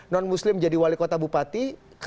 non muslim jadi wali kota bupati